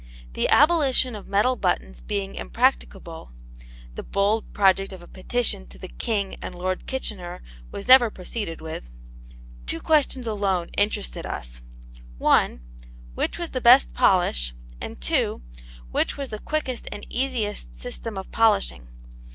The abolition of metal buttons being impracticable the bold project of a petition to the King and Lord Kitchener was never proceeded with two questions alone interested us: (1) which was the best polish, and (2) which was the quickest and easiest system of polishing.